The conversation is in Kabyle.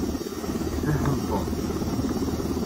Ifehhem Tom.